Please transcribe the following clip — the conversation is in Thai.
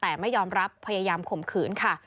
แต่ไม่ยอมรับพยายามข่มขืนค่ะ